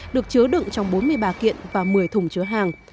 được chứa đựng trong bốn mươi ba kiện và một mươi thùng chứa hàng